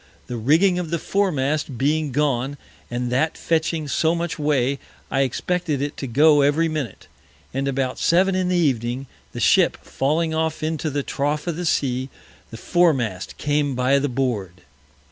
The Rigging of the Foremast being gone, and that fetching so much way, I expected it to go every Minute; and about Seven in the Evening, the Ship falling off into the Trough of the Sea, the Foremast came by the Board.